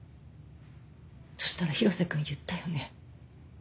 そしたら広瀬君言ったよね。